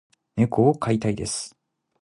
猫を飼いたいです。